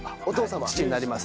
父になります。